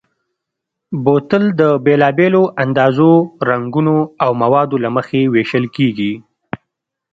بوتل د بېلابېلو اندازو، رنګونو او موادو له مخې وېشل کېږي.